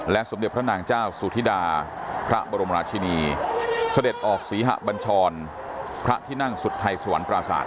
สมเด็จพระนางเจ้าสุธิดาพระบรมราชินีเสด็จออกศรีหะบัญชรพระที่นั่งสุทัยสวรรคราศาสต